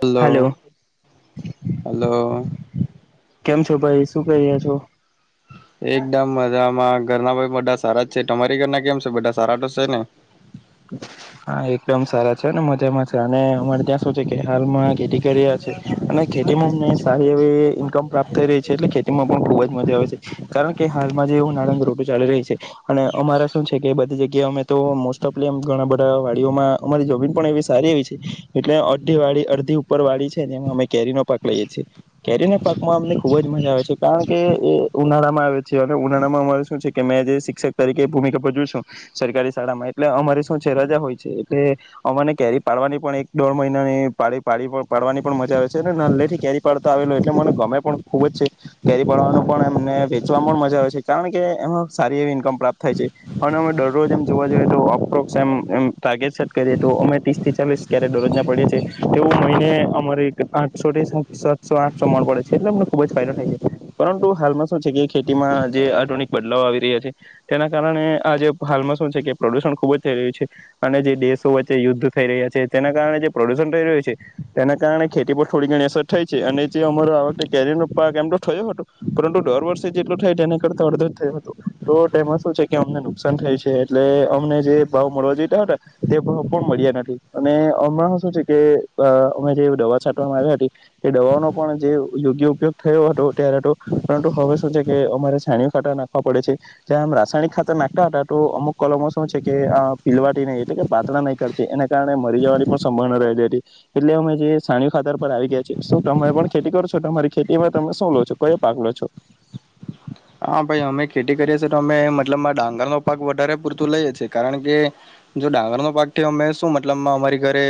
Hello hello કેમ છો ભાઈ શું કરીયા છો. એકદમ મજામાં ઘરના ભાઈ બધા સારા જ છે તમારી ઘરના કેમ છે બધા સારા તો છે ને હા એકદમ સારા છે ને મજામાં છે અને અમારે ત્યાં શું છે કે હાલમાં ખેતી કર્યા છે અને ખેતી માં અમને સારી એવી ઈનકમ પ્રાપ્ત થઈ રહી છે એટલે ખેતીમાં પણ ખુબ જ મજા આવે છે કારણ કે હાલમાં જે એવું ઊનાળાની ઋતુ ચાલી રહી છે અને અમારે શું છે કે બધી જગ્યાએ અમે તો લીમ ઘણા બધા વાડીઓમાં અમારી જમીન પણ એવી સારી એવી છે એટલે અડધી વાડી અડધી ઉપર વાડી છે ને એમાં અમે કેરીનો પાક લઈએ છીએ કેરીના પાકમાં અમને ખુબ જ મજા આવે છે કારણ કે એ ઉનાળામાં આવે છે અને ઉનાળામાં અમારે શું છે કે મેં જે શિક્ષક તરીકે ભૂમિકા ભજવું છું સરકારી શાળામાં એટલે અમારી શું છે રજા હોય છે એટલે અમને કેરી પાડવાની પણ એક દોઢ મહિનાની પાળી પાડી પાડવાની પણ મજા આવે છે અને નાલેથી કેરી પાડતો આવેલો એટલે મને ગમે પણ ખૂબ જ છે કેરી પાડવાનું પણ એમને વેચવામાં પણ મજા આવે છે કારણ કે એમાં સારી એવી ઇન્કમ પ્રાપ્ત થાય છે અને અમે દરરોજ એમ જોવા જોઈએ તો અપરોક્ષ એમ એમ તારગેટ સેટ કરી તો અમે ત્રીસથી ચાલીસ કેરેટ દરરોજના પડીએ છીએ તેવું મહિને અમારે આઠસોથી સાતસો આઠસો મણ પડે છે એટલે અમને ખુબ જ ફાયદો થાય છે પરંતુ હાલમાં શું છે કે ખેતીમાં જે આધુનિક બદલાવ આવી રહ્યા છે તેના કારણે આજે હાલમાં શું છે કે પ્રદુષણ ખુબ જ થઈ રહ્યું છે અને જે દેશો વચ્ચે યુદ્ધ થઈ રહ્યા છે તેના કારણે જે પ્રદુષણ થઈ રહ્યું છે તેના કારણે ખેતી પર થોડી ઘણી અસર થય છે અને જે અમારો આ વખતે કેરીનો પાક એમ તો થયો હતો પરંતુ દર વર્ષે જેટલું થાય તેના કરતા અડધો જ થયો હતો તો તેમાં શું છે કે અમને નુકસાન થાય છે એટલે અમને જે ભાવ મળવા જોઈતા હતા તે ભાવ પણ મળ્યા નથી અને હમણાં શું છે કે અ અમે જે દવા છાંટવામાં આવ્યા હતી તે દવાનો પણ જે યોગ્ય ઉપયોગ થયો હતો ત્યારે હતો પરંતુ હવે શું છે કે અમારે છાણી ખાતા નાખવા પડે છે જ્યાં આમ રાસાયણિક ખાતર નાખતા હતા તો અમુક કલમો શું છે કે આ પીલવાથી નહી એટલે કે પાતળા નહી કરતી એના કારણે મરી જવાની પણ સંભાવના રહેલી હતી એટલે અમે જે સાણીયુ ખાતર પર આવી ગયા છે શું તમે પણ ખેતી કરો છો તમારી ખેતીમાં તમે શું લો છો કયો પાક લો છો હા ભાઈ અમે ખેતી કરીએ છી તો અમે મતલબમાં ડાંગરનો પાક વધારે પૂરતું લઈએ છે કારણ કે જો ડાંગરનો પાકથી અમે શું મતલબમાં અમારી ઘરે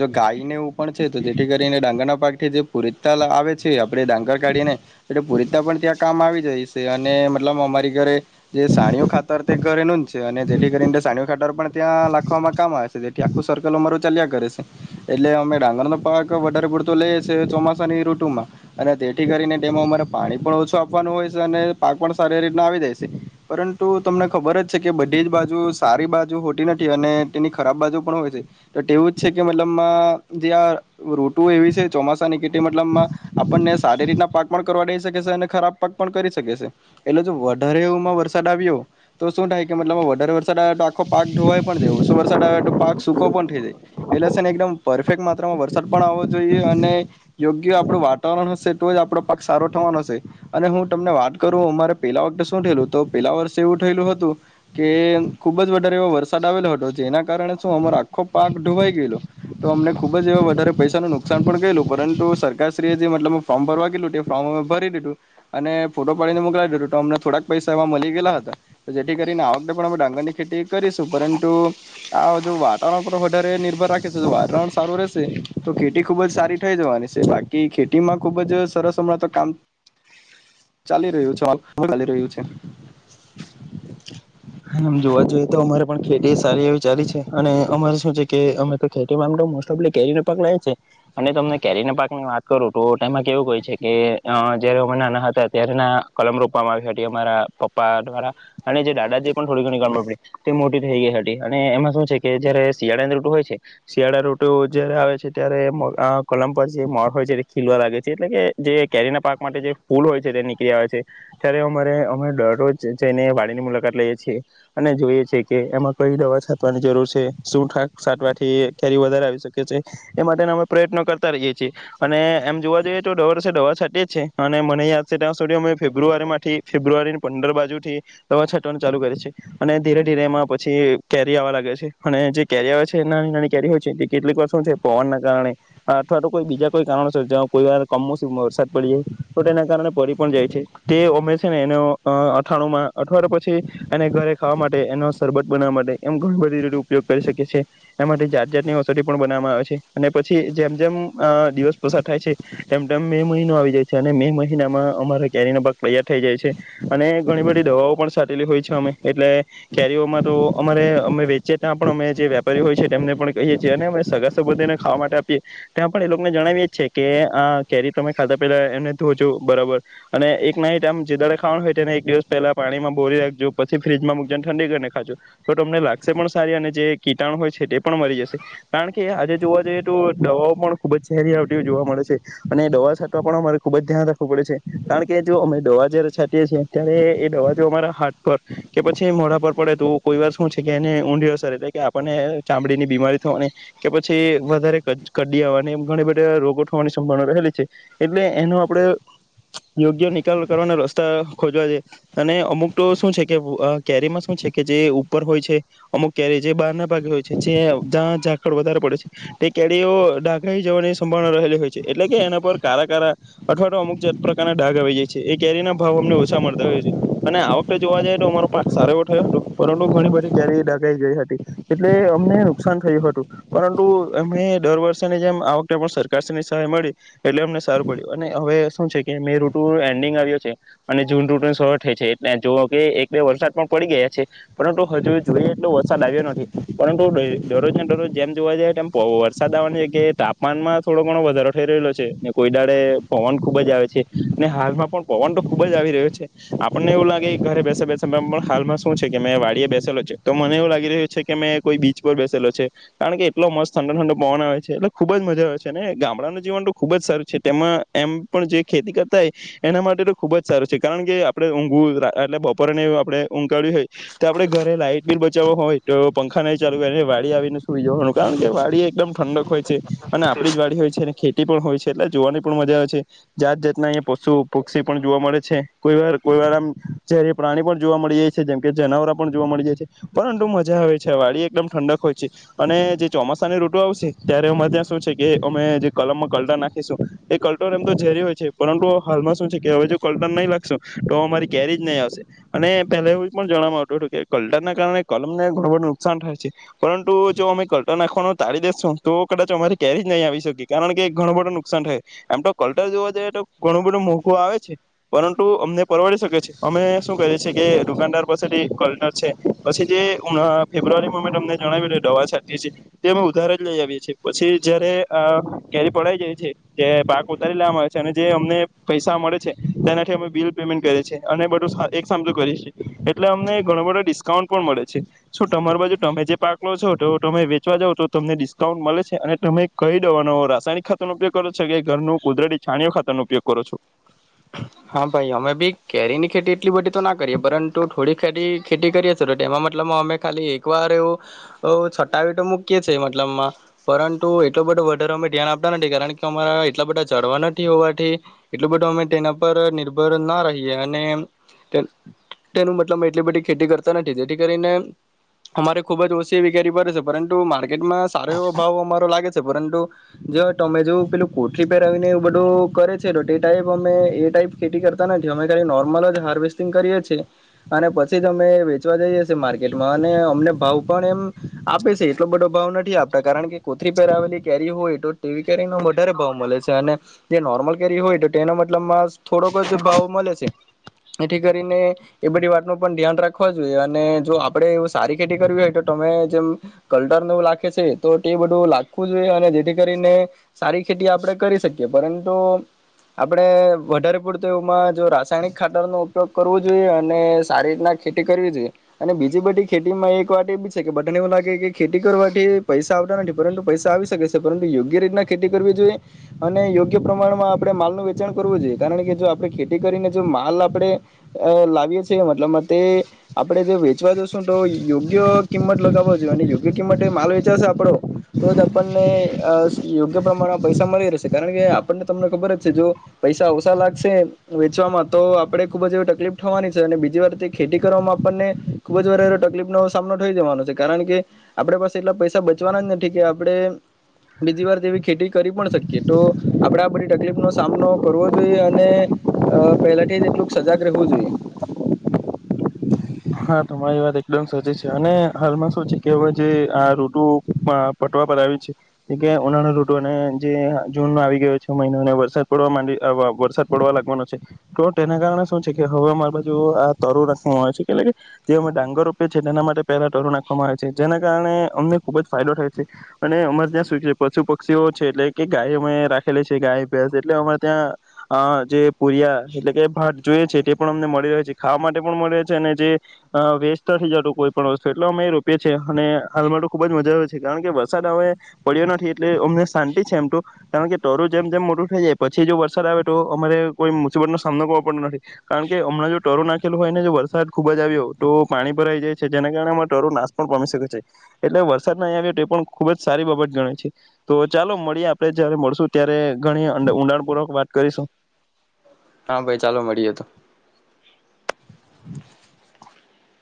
જો ગાયને એવું પણ છે તો જેથી કરીને ડાંગર ના પાક થી જે પુરીતા આવે છે આપણે ડાંગર કાઢીને એટલે પુરીતા પણ ત્યાં કામ આવી જાય તે અને મતલબ અમારી ઘરે જે સાણયું ખાતર તે ઘરેનું જ છે અને જેથી કરીને સાણયું ખાતર પણ ત્યાં લખવામાં કામ આવે છે જેથી આખું સર્કલ અમારું ચાલ્યા કરે છે એટલે અમે ડાંગરનો પાક વધારે પૂરતો લઈએ છીએ ચોમાસાની ઋતુમાં અને તેથી કરીને તેમાં અમારે પાણી પણ ઓછું આપવાનું હોય છે. અને પાક પણ સારી રીતના આવી જાય છે પરંતુ તમને ખબર જ છે કે બધી જ બાજુ સારી બાજુ હોતી નથી અને તેની ખરાબ બાજુ પણ હોય છે તો તેવું જ છે કે મતલબમાં જે આ ઋતુ એવી છે ચોમાસ સાની કે તે મતલબમાં આપણને સારી રીતના પાક પણ કરવા દે કે છે અને ખરાબ પાક પણ કરી શકે છે એટલે જો વધારે એવુમાં વરસાદ આવ્યો તો શું થાય કે મતલબ વધારે વરસાદ આવે તો આખો પાક ધોવાઈ પણ જાય ઓછો વરસાદ આવે તો પાક સૂકો પણ થઈ જાય એટલે છે ને એકદમ પરફેક્ટ માત્રામાં વરસાદ પણ આવો જોઈએ અને યોગ્ય આપણું વાતાવરણ હશે તો જ આપણો પાક સારો થવાનો હશે અને હું તમને વાત કરું અમારે પેલા વખતે શું થયેલું તો પેલા વર્ષે એવું થયેલું હતું કે ખુબ જ વધારે એવો વરસાદ આવેલો હતો જેના કારણે શું અમારો આખો પાક ધોવાઈ ગયેલો તો અમને ખુબ જ એવા વધારે પૈસાનું નુકસાન પણ ગયેલું પરંતુ સરકાદીધું જીએ જે મતલબ ફોર્મ ભરવા કીધલું તે ફોર્મ અમે ભરી દીધું અને ફોટો પાડીને મોકલાવી દેધું તો અમને થોડાક પૈસા એવા મલી ગેલા હતા જેથી કરીને આ વખતે પણ અમે ડાંગરની ખેતી કરીશું પરંતુ આ જો વાતાવરણ પર વધારે નિર્ભર રાખે છે જો વાતાવરણ સારું રહેશે તો ખેતી ખૂબ જ સારી થઈ જવાની છે બાકી ખેતીમાં ખૂબ જ સરસ હમણાં તો કામ ચાલી રહ્યું છે હાલ ચાલી રહ્યું છે. હા આમ જોવા જોઈએ તો અમારે પણ ખેત તી સારી એવી ચાલી છે અને અમારે શું છે કે અમે તો ખેતી મા આમ તો મોસ્ટ ઓફ લી કેરીનો પાક લયે છે અને તમને કેરીના પાકની વાત કરું તો તેમાં કેવું હોય છે કે અઅ જયારે અમે નાના હતા ત્યારે ના કલમ રોપવામાં આવી હતી અમારા પપ્પા દ્વારા અને જે દાદા જે પણ થોડી ઘણી કલમ રોપલી તે મોટી થઈ ગઈ હતી અને એમાં શું છે કે જયારે શિયાળાની ઋતુ હોય છે શિયાળા ઋતુ જ્યારે આવે છે ત્યારે આ કલમ પર જે મોર હોય છે તે ખીલવા લાગે છે એટલે કે જે કેરીના પાક માટે જે ફૂલ હોય છે તે નીકળી આવે છે ત્યારે અમારે અમે દરરોજ જઈને વાડીની મુલાકાત લઈએ અને જોઈએ છે કે એમાં કઈ દવા છાંટવાની જરૂર છે શુંટક છાટવાથી ક્યારે વધારે આવી શકે છે એ માટેના અમે પ્રયત્નો કરતા રહીએ છીએ અને એમ જોવા જઈએ તો દર વર્ષે દવા છાટે છે અને મને યાદ છે ત્યાં સુધી અમે ફેબ્રુઆરી માંથી ફેબ્રુઆરીની પંદર બાજુથી દવા છાટવાનું ચાલુ કરી છે. અને ધીરે ધીરે એમાં પછી કેરી આવવા લાગે છે અને જે કેરી આવે છે નાની નાની કેરી હોય છે તે કેટલીક વાર શું છે પવનના કારણે અથવા તો કોઈ બીજા કોઈ કારણો સર્જાય કોઈ વાર કમોસમમાં વરસાદ પડી જાય તો તેના કારણે પરી પણ જાય છે તે અમે છે ને એનો અઠાણુંમાં અથવા તો પછી અને ઘરે ખાવા માટે એનો સરબત બનાવા માટે એમ ઘણી બધી રીતે ઉપયોગ કરી શકે છે એના માટે જાત જાતની ઔસોધી પણ બનાવામાં આવે છે અને પછી જેમ જેમ દિવસ પસાર થાય છે તેમ તેમ મે મહિનો આવી જાય છે અને મે મહિનામાં અમારો કરીનો ભાગ તૈયાર થઈ જાય છે અને ઘણી બધી દવાઓ પણ સાલી હોય છે. અમે એટલે કેરીઓમાં તો અમારે અમે વેચીએ ત્યાં પણ અમે જે વેપારીઓ હોય છે તેમને પણ કહીએ છીએ અને અમે સગા સંબંધીને ખાવા માટે આપીએ ત્યાં પણ એ લોકોને જણાવીએ છે કે આ કેરી તમે ખાતા પેલા એમને ધોજો બરાબર અને એક નાઇટ આમ જે દાડે ખાવાનું હોયને એક દિવસ પહેલા પાણીમાં બોરી રાખજો પછી ફ્રીજમાં મકજોને ઠંડી કરીને ખાજો તો તમને લાગશે પણ સારી અને જે કીટાણુ હોય છે તે પણ મરી જશે કારણ કે આજે જોવા જઈએ તો દવાઓ પણ ખૂબજ ઝેરી આવટી જોવા મળે છે અને દવા છાટવા પણ અમારે ખૂબ જ ધ્યાન રાખવું પડે છે કારણ કે જો અમે દવા જયારે છાંતીએ છીએ ત્યારે એ દવા જો અમારા હાથ પર કે પછી મોડા પર પડે તો કોઈ વાર શું છે કે એને ઊંધી અસર એટલે કે આપણને ચામડીની બીમારી થવાની કે પછી વધારે કડી આવવાની ઘણી બધા રોગો થવાની સંભાવના રહેલી છે એટલે એનો આપણે યોગ્ય નિકાલ કરવાના રસ્તા ખોજવા છે અને અમુક તો શું છે કે અ કેરીમાં શું છે કે જે ઉપર હોય છે અમુક કેરી જે બારના ભાગે હોય છે જયાં ઝાંખળ વધારે પડે છે તે કેરીઓ ડાઘાઈ જવાની સંભાવના રહેલી હોય છે એટલે કે એના પર કારા કારા અથવા તો અમુકત પ્રકારના ડાઘ આવી જાય છે એ કેરીના ભાવ અમને ઓછા મળતા હોય છે અને આવક તો જોવા જઈએ તો અમારો પાક સારો એવો થયો હતો પરંતુ ઘણી બધી ક્યારે ડગાઈ ગઈ હતી એટલે અમને નુકસાન થયું હતું પરંતુ અમે દર વર્ષેની જેમ આ વખતે પણ સરકારની સહાય મળી એટલે અમને સારું પડ્યું અને હવે શું છે કે મેં ઋતુ એન્ડિંગ આવ્યો છે અને જૂન ઋતુની સરુઆત થઈ છે એ જો કે એક બે વરસાદ પણ પડી ગયા છે પરંતુ હજુ જોઈએ એટલો વરસાદ આવ્યો નથી પરંતુ દરરોજને દરરોજ જેમ જોવા જાય તેમ વરસાદ આવવાની છે કે તાપમાનમાં થોડો ઘણો વધારો થઈ રહેલો છે ને કોઈ દાળે પવન ખૂબ જ આવે છે ને હાલમાં પણ પવન તો ખુબ જ આવી રહ્યો છે આપણને એવું લાગે ઘરે બેસે બેસે પણ હાલમાં શું છે કે મેં વાડીયે બેસેલો છે તો મને એવું લાગી રહ્યું છે કે મેં કોઈ બીચ પર બેસેલો છે કારણ કે એટલો મસ્ત ઠંડો ઠંડો પવન આવે છે એટલે ખુબ જ મજા આવે છે અને ગામડાનું જીવન તો ખુબ જ સારું છે તેમાં એમ પણ જે ખેતી કરતા હોય એના માટે તો ખુબ જ સારું છે કારણ કે આપડે ઊંઘવુ એટલે બપોરેને એઉ આપણે ઉંઘ કાળ્યું હોય તો આપડે ઘરે લાઈટ બિ બલ ચાવ હોય તો પંખા ન ચાલુ વાડી આવીને સુઈ જવાનું કારણ કે વાડી એકદમ ઠંડક હોય છે અને આપડી જ વાડી હોય છે ને ખે તી પણ હોય છે એટલે જોવાની પણ મજા આવે છે જાત જાતના અહીંયા પશુ પક્ષી પણ જોવા મળે છે કોઈ વાર કોઈ વાર આમ જ્યારે પ્રાણી પણ જોવા મળી જાય છે જેમ કે જનાવર પણ જોવા મળી જાય છે પરંતુ મજા આવે છે વાડી એકદમ ઠંડક હોય છે અને જે ચોમાસાની ઋટુ આવશે ત્યારે અરે ત્યાં શું છે કે અમે જે કલમમાં કલટા નાખીશું એ કલટો એમ તો ઝેરી હોય છે પરંતુ હાલમાં શું છે કે હવે જો કલટા નહીં લાગશું તો અમારી કેરી નહી આવશે. અને પેલા એવું પણ જાણવા આવતું હતું કે કલટર કારણે કલમને ઘણું બધું નુકસાન થાય સે. પરંતુ જો અમિકર કલર નાખવાનું તારી દેેશો તો કદાચ અમારી કરી જ નહીં આવી શકે કારણ કે ઘણું બધું નુકસાન થાય એમ તો કલટર જોવા જઈએ તો ઘણું બધું મોંઘું આવે છે પરંતુ અમને પરવડી શકે છે. અમે શું કરીએ છીએ કે દુકાનદાર પાસેથી કલનર છે પછી જે ઉના ફેબ્રુઆરી મે ટમને જણાવી દે દવા છતીયે છે તે અમે ઉધાર જ લઈ આવીએ છીએ પછી જયારે અ કેરી પડાઈ જાય છે તે પાક ઉતારી લેવામાં આવે છે અને જે અમને પૈસા મળે છે તેનાથી અમે બિલ પેમેન્ટ કરીએ છીએ. અને બધું સા એક સામતુ કરીએ છે એટલે અમને ઘણો બધો ડિસ્કાઉન્ટ પણ મળે છે છો તમારી બાજુ તમે જે પાકલો છો તો તમે વેચવા જાવ તો તમને ડિસ્કાઉન્ટ મળે છે અને તમે કઈ દવાનો રાસાયનીક ખાતરનો ઉપયોગ કરો છો કે ઘરનું કુદરતી છાણીઓ ખાતાનો ઉપયોગ કરો છો. હા ભાઈ અમે બી કેરી ની ખેતી એટલી બધી તો ના કરીએ પરંતુ થોડી ખ ખેતી કરીએી તો એમાં મતલબ અમે ખાલી એકવાર એવું છટાવી તો મૂકીએ છીએ મતલબમાં પરંતુ એટલો બધો વધારે અમે ધ્યાન આપતા નથી કારણ કે અમારા એટલા બધા ચડવા નથી હોવાથી એટલું બધું અમે તેના પર નિર્ભર ના રહીએ અને તેનું મતલબ એટલી બધી ખેતી કરતા નથી. જેથી કરીને અમારે ખુબ જ ઓછી એવી કેરી પડે છે પરંતુ કેટમાં સારો એવો ભાવ અમારો લાગેછ. પરંતુ જો તમે જો પેલું કોઠી પહેરાવીનેવું બધું કરે છે તો તે ટાઈપ અમે એ ટાઈપ ખેતી કરતા નથી અમે ખાલી નોર્મલ જ હાર્વેસ્ટિંગ કરીએ છીએ અને પછી જ અમે વેચવા જઈએ છીએ માર્કેટમાં અને અમને ભાવ પણ એમ આપે છે એટલો બધો ભાવ નથી આપતા કારણ કે કોથરી પેર આવેલી કેરી હોય એ ટેવી કેરી ના વધારો ભાવ મળે છે અને જે નોર્મલ કરી હોય તો તેનો મતલબમાં થોડોક જ ભાવ મળે છે. એથી કરીને એ બધી વાત ન પણ ધ્યાન રાખવા જોઈએ અને જો આપડે એવ સારી ખેતી કરવી હોય તો તમે જેમ કલટર ન એવું લખે છે તો તે બધું લખવું જોઈએ અને જેથી કરીને સારી ખેતી આપડે કરી શકીએ. પરંતુ આપણે વધારે પૂડતો એમાં જો રાસાયણિક ખાટરનો ઉપયોગ કરવો જોઈએ અને સારી રીતના ખેતી કરવી જોઈએ અને બીજી બધી ખેતીમાં એક વાત એ બી છે કે બાને એવું લાગે કે ખેતી કરવાથી પૈસા આવતા નથી પરંતુ પૈસા આવી શકે છે પરંતુ યોગ્ય રીતના ખેતી કરવી જોઈએ અને યોગ્ય પ્રમાણમાં આપણે માલ વચાણ કરવું જોઈએ. કારણ કે જો આપણે ખેતી કરીને જો માલ આપણે લાવીએ છીએ મતલબ તે આપણે જે વેચવા જોશું તો યોગ્ય કિંમત લગાવો જોઈએ અને યોગ્ય કિંમતે માલ વેચાશે આપડો તો જ આપણને અ યોગ્ય પ્રમાણમાં પૈસા મળી રહેશે કારણ કે આપણને તમને ખબર છે પૈસા ઓસા લાગશે વેચવામાં તો આપડે ખુબ જ એવી તકલીફ થવાની છે અને બીજી વાર તે ખેતી કરવામાં આપણને ખુબ જ વાર એ તકલીફનો સામનો થઈ જવાનો છે કારણ કે આપડ પાસે એટલા પૈસા બચવાના જ નથી કે આપડે બીજી વાર તેવી ખેતી કરી પણ શકીએ તો આપડે આ બધી તકલીફ નો સામનો કરવો જોઈએ અને પહેલાથી જ એટલું સજાગ રહેવું જોઈએ. હા તમારી વાત એકદમ સાચી છે. અને હાલમાં શું છે કે હવે જે આ રઋટુ પટવા પર આવી છે કે ઉનાળા રઋટુને જે જૂનનો આવી ગયો છે મહિનોને વરસાદ પડવા માંડયો અ વરસાદ પડવા લાગવાનો છે તો તેના કારણે શું છે કે હવામાં બાજુ આ તારું [unintelligible] તે ઓ મે ડાંગર રોપીએ છીએ તેના માટે પહેલા ટરો નાખવામાં આવે છે જેના કારણે અમને ખુબ જ ફાયદો થાય છે અને અમારે ત્યાં શું છે પશુ પક્ષીઓ છે એટલે કે ગાય અમે રાખેલી છે ગાય ભેંસ એટલે અમારે ત્યાં અ જે પુરીયા એટલે કે ભાત જોઈએ છે તે પણ અમને મળી રહે છે ખાવા માટે પણ મળી રહે છે અને જે અ વેસ્ટ નથી જતું કોઈ પણ વસ્તુ એટલે અમે રોપએીએ અને હાલમાં તો ખુબ જ મજા આવે છે. કારણ કે વરસાદ હમે પડ્યો નથી એટલે અમને શાંતિ છે એમ તો કારણ કે ટરું જેમ જેમ મોટું થઈ જાય પછી જો વરસાદ આવે તો અમારે કોઈ મુસીબત નો સામનો કરવો પડતો નથી કારણ કે હમણાં જો ટરું નાખેલું હોય ને જો વરસાદ ખૂબ જ આવ્યો તો પાણી ભરાઈ જાય છે. જેના કારણે અ ટરો નાશ પણ પામી શકે છે. એટલે વરસાદ નહી આવ્યો તે પણ ખૂબ જ સારી બાબત ગણે છે તો ચાલો મળીએ આપણે જયારે મળશું ત્યારે ઘણી ઊંડાણપૂર્વક વાત કરીશું. હા ભાઈ ચાલો મળીએ તો. [unintelligible]